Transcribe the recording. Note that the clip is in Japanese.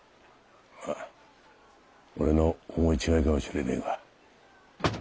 まあ俺の思い違いかもしれねえが。